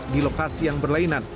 di lokasi yang berlainan